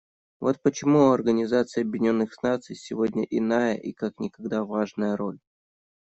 Вот почему у Организации Объединенных Наций сегодня иная и как никогда важная роль.